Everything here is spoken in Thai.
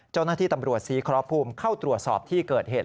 เจ้าหน้าที่ตำรวจศรีครภูมิเข้าตรวจสอบที่เกิดเหตุ